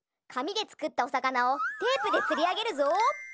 かみでつくったおさかなをテープでつりあげるぞ！